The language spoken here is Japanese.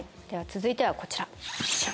では続いてはこちら。